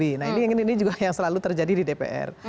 nah ini juga yang selalu terjadi di dpr